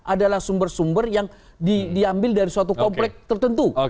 adalah sumber sumber yang diambil dari suatu komplek tertentu